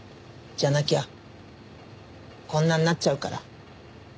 じゃなきゃこんなんなっちゃうから。